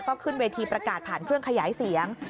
ก็ขึ้นเวทีประกาศผ่านเครื่องขยายเสียง